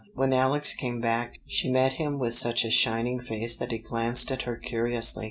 When Alex came back she met him with such a shining face that he glanced at her curiously.